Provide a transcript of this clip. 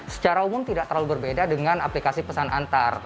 secara umum tidak terlalu berbeda dengan aplikasi pesan antar